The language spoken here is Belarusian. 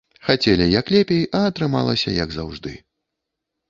Хацелі, як лепей, а атрымалася, як заўжды.